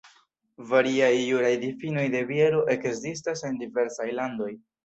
Variaj juraj difinoj de biero ekzistas en diversaj landoj.